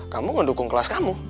kamu ngedukung kelas kamu